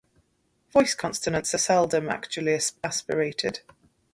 Voiced consonants are seldom actually aspirated.